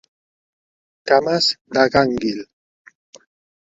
Cames de gànguil.